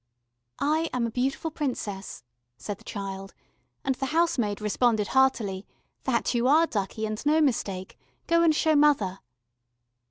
"I am a beautiful Princess," said the child, and the housemaid responded heartily: "That you are, ducky, and no mistake. Go and show mother."